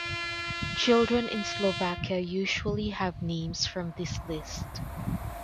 Children in Slovakia usually have names from this list.